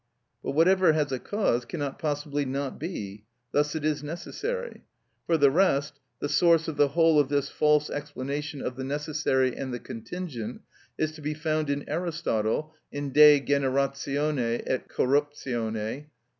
But whatever has a cause cannot possibly not be: thus it is necessary. For the rest, the source of the whole of this false explanation of the necessary and the contingent is to be found in Aristotle in "De Generatione et Corruptione," lib.